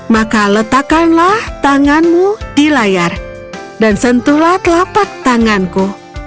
maka letakkanlah tanganmu di layar dan sentuhlah telapak tanganku